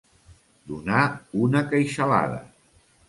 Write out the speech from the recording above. Donar una queixalada.